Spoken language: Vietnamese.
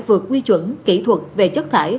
vượt quy chuẩn kỹ thuật về chất thải